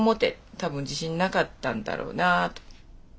たぶん自信なかったんだろうなあと。